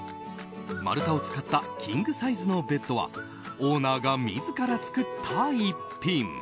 丸太を使ったキングサイズのベッドはオーナーが自ら作った逸品。